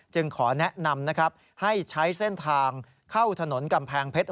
ขอแนะนำนะครับให้ใช้เส้นทางเข้าถนนกำแพงเพชร